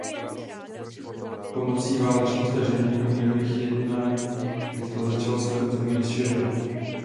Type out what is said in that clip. Pomocí válečných tažení a mírových jednání rychle začal své území rozšiřovat.